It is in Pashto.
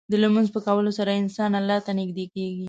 د لمونځ په کولو سره انسان الله ته نږدې کېږي.